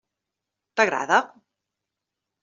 T'agrada?